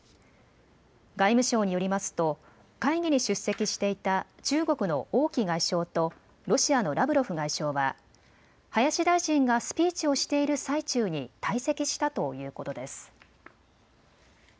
外務省によりますと会議に出席していた中国の王毅外相とロシアのラブロフ外相は、林大臣がスピーチをしている最中に退席したということです。